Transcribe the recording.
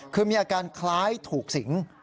คือมีอาการคล้ายถูกสิง